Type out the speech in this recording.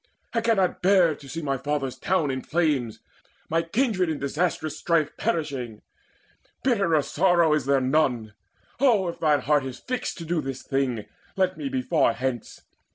I cannot bear to see my fathers' town In flames, my kindred in disastrous strife Perishing: bitterer sorrow is there none! Oh, if thine heart is fixed to do this thing, Let me be far hence!